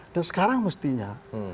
dan sekarang mestinya